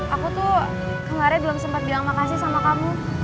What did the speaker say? aku tuh kemarin belum sempat bilang makasih sama kamu